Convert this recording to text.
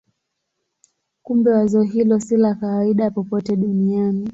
Kumbe wazo hilo si la kawaida popote duniani.